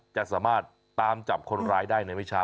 จะสามารถตามจับคนร้ายได้ในไม่ช้า